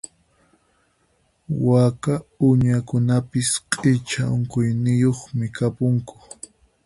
Waka uñakunapis q'icha unquyniyuqmi kapunku.